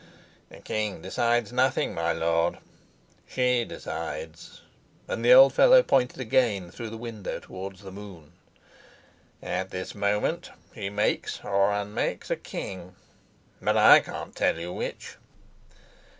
"The king decides nothing, my lord. She decides," and the old fellow pointed again through the window towards the moon. "At this moment she makes or unmakes a king; but I can't tell you which.